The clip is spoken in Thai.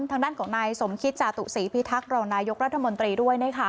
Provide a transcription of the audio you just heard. ทางด้านของนายสมคิตจาตุศรีพิทักษ์รองนายกรัฐมนตรีด้วยนะคะ